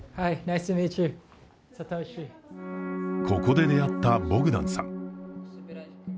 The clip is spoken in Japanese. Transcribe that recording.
ここで出会ったボグダンさん。